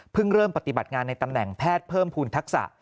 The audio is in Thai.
เริ่มปฏิบัติงานในตำแหน่งแพทย์เพิ่มภูมิทักษะ